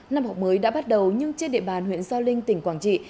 năm học mới đã bắt đầu nhưng trên địa bàn huyện gio linh tỉnh quảng trị